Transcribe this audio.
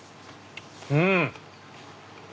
うん！